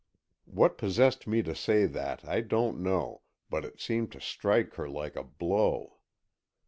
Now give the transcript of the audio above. What possessed me to say that, I don't know, but it seemed to strike her like a blow.